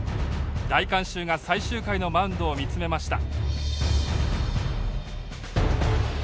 大観衆が最終回のマウンドを見つめました。